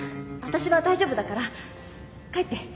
私は大丈夫だから帰って。